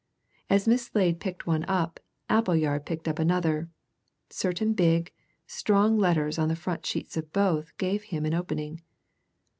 As Miss Slade picked up one, Appleyard picked up another certain big, strong letters on the front sheets of both gave him an opening.